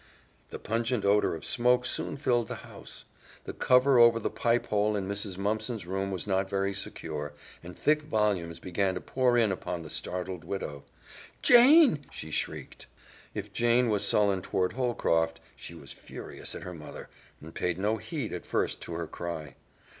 The pungent odor of smoke soon filled the house. The cover over the pipe hole in Mrs. Mumpson's room was not very secure, and thick volumes began to pour in upon the startled widow. "Jane!" she shrieked. If Jane was sullen toward Holcroft, she was furious at her mother, and paid no heed at first to her cry.